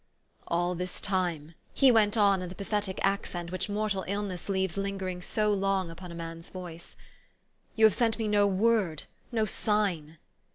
" All this time," he went on in the pathetic ac cent which mortal illness leaves lingering so long upon a man's voice, " you have sent me no word, no sign."